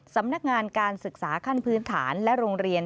สำนักงานการศึกษาขั้นพื้นฐานและโรงเรียน